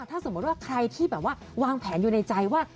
ถ้าสมมุติว่าใครที่แบบว่าวางแผนอยู่ในใจว่า